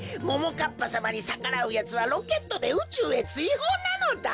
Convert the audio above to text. かっぱさまにさからうやつはロケットでうちゅうへついほうなのだ！